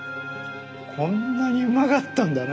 こんなにうまかったんだな。